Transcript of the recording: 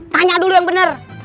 tanya dulu yang bener